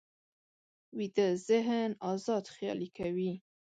ویده ذهن ازاد خیالي کوي